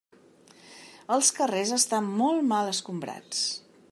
Els carrers estan molt mal escombrats.